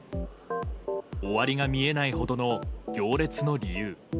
終わりが見えないほどの行列の理由。